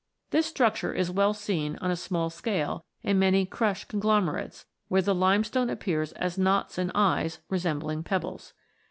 This structure is well seen on a small scale in many " crush conglomerates," where the limestone appears as knots and eyes, resembling pebbles.